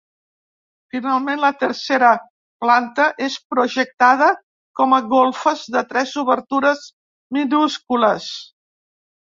Finalment, la tercera planta, és projectada com a golfes amb tres obertures minúscules.